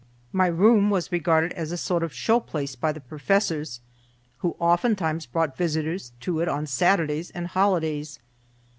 My room was regarded as a sort of show place by the professors, who oftentimes brought visitors to it on Saturdays and holidays.